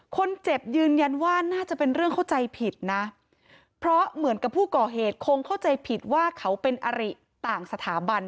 คนเจ็บยืนยันว่าน่าจะเป็นเรื่องเข้าใจผิดนะเพราะเหมือนกับผู้ก่อเหตุคงเข้าใจผิดว่าเขาเป็นอริต่างสถาบัน